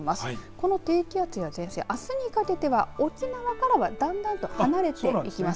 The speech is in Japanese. この低気圧や前線あすにかけては沖縄からはだんだんと離れていきます。